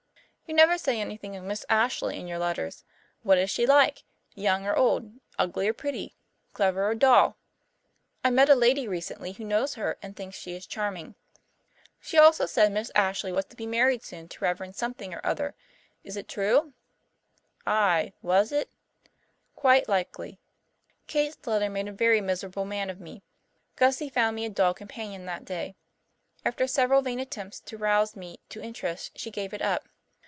"You never say anything of Miss Ashley in your letters. What is she like young or old, ugly or pretty, clever or dull? I met a lady recently who knows her and thinks she is charming. She also said Miss Ashley was to be married soon to Rev. Something or Other. Is it true?" Aye, was it? Quite likely. Kate's letter made a very miserable man of me. Gussie found me a dull companion that day. After several vain attempts to rouse me to interest she gave it up.